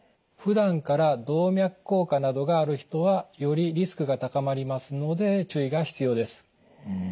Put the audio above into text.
ふだんから動脈硬化などがある人はよりリスクが高まりますので注意が必要です。